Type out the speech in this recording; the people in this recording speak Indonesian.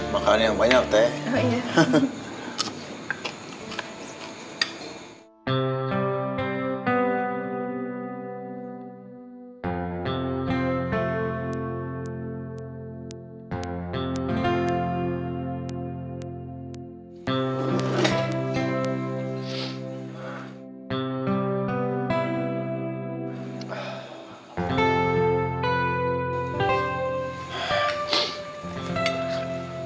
makan yang banyak teh